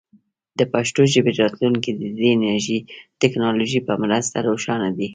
د پښتو ژبې راتلونکی د دې ټکنالوژۍ په مرسته روښانه دی.